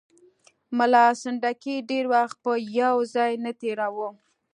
ملا سنډکي ډېر وخت په یو ځای نه تېراوه.